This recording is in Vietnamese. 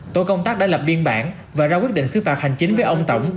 tổ công tác đã lập biên bản và ra quyết định xứ phạt hành chính với ông tổng